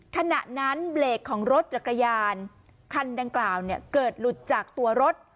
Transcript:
ขณะนั้นเบรกของรถจักรยานคันดังกล่าวเกิดหลุดจากตัวรถ